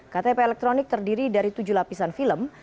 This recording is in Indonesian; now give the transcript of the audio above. ktp elektronik terdiri dari tujuh lapisan film